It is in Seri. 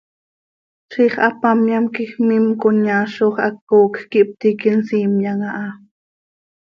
Ziix hapamyam quij miim conyaazoj hac, coocj quih ptiiqui nsiimyam aha.